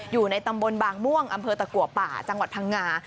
อยู่ในตำบลบางม่วงอำเภอตะกัวป่าจังหวัดพังงา